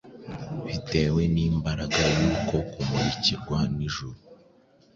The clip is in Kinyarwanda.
Bitewe n’imbaraga y’uko kumurikirwa n’ijuru,